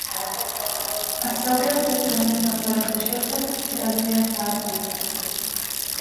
As augas desprenden vapores de xofre que alivian a artrite.